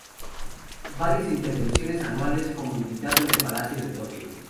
Varias intervenciones anuales como invitado en el Palacio de Tokio.